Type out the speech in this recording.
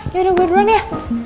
yaudah gue duluan ya